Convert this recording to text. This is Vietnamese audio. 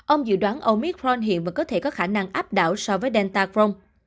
ông dự đoán omicron hiện vẫn có thể có khả năng áp đảo so với delta crohn